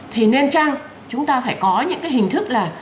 thì nên chăng chúng ta phải có những cái hình thức là